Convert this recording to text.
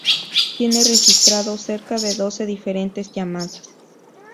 Tiene registrados cerca de doce diferentes llamadas.